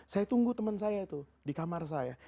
saya tunggu teman saya itu di kamar saya